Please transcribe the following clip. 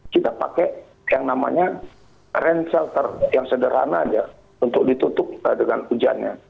kita pakai yang namanya rain shelter yang sederhana aja untuk ditutup dengan hujannya